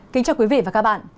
kính chào quý vị và các bạn